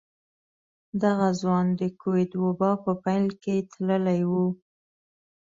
دغه ځوان د کوويډ وبا په پيل کې تللی و.